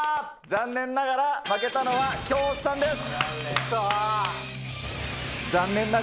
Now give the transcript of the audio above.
残念ながら、負けたのは京本さんです。